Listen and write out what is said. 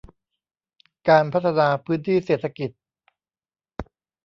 การพัฒนาพื้นที่เศรษฐกิจ